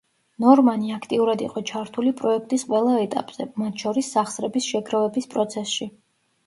ნორმანი აქტიურად იყო ჩართული პროექტის ყველა ეტაპზე, მათ შორის, სახსრების შეგროვების პროცესში.